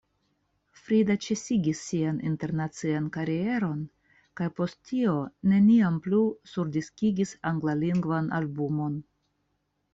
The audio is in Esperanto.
Frida ĉesigis sian internacian karieron kaj post tio neniam plu surdiskigis anglalingvan albumon.